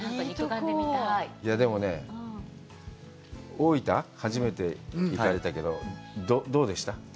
でもね、大分、初めて行かれたけど、どうでした？